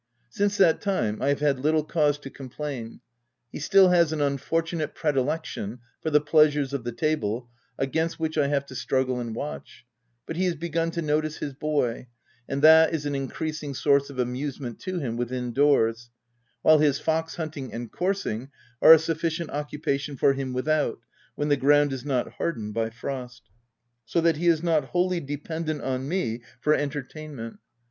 Since that time, I have had little cause to complain. He still has an unfortunate pre dilection for the pleasures of the table, against which I have to struggle and watch ; but he has begun to notice his boy, and that is an in creasing source of amusement to him within doors ; while his fox hunting and coursing are a sufficient occupation for him without, when the ground is not hardened by frost ; so that he is not wholly dependant on me for enter 208 THE TENANT tainment.